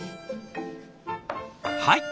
はい。